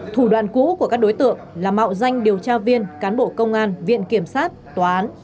thủ đoạn cũ của các đối tượng là mạo danh điều tra viên cán bộ công an viện kiểm sát tòa án